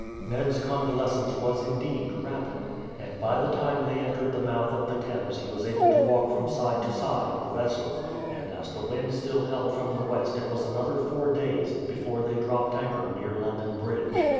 Ned's convalescence was indeed, rapid, and by the time they entered the mouth of the Thames he was able to walk from side to side of the vessel, and as the wind still held from the west it was another four days before they dropped anchor near London Bridge.